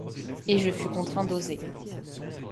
Et je fus contraint d'oser ;